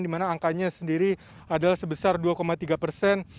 di mana angkanya sendiri adalah sebesar dua tiga persen